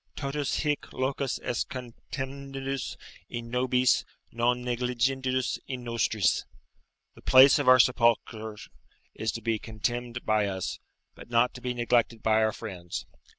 "Totus hic locus est contemnendus in nobis, non negligendus in nostris;" ["The place of our sepulture is to be contemned by us, but not to be neglected by our friends."